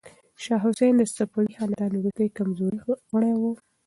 شاه حسین د صفوي خاندان وروستی کمزوری غړی و.